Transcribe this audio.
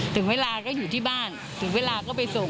ถึงเวลาก็อยู่ที่บ้านถึงเวลาก็ไปส่ง